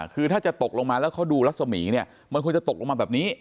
คือถ้าจะตกลงมาแล้วเขาดูรัศมีร์เนี่ยมันควรจะตกลงมาแบบนี้